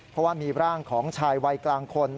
เพราะว่ามีร่างของชายวัยกลางคน